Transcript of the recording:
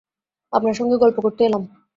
আপনার সঙ্গে গল্প করতে এলাম।